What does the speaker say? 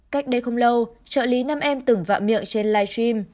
cách đây không lâu trợ lý năm em từng vạm miệng trên live stream